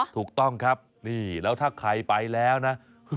ถูกต้องครับนี่แล้วถ้าใครไปแล้วนะ